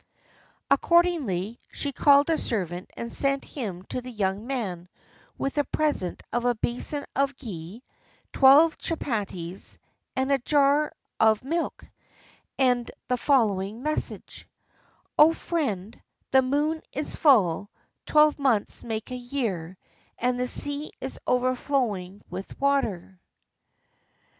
Accordingly she called a servant and sent him to the young man with a present of a basin of ghee, twelve chapatis, and a jar of milk, and the following message: "O friend, the moon is full; twelve months make a year, and the sea is overflowing with water."